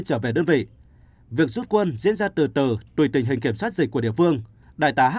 gặp đơn vị việc rút quân diễn ra từ từ tùy tình hình kiểm soát dịch của địa phương đại tá h